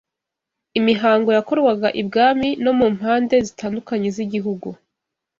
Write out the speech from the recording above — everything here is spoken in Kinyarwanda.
Imihango yakorwaga ibwami no mu mpande zitandukanye z’igihugu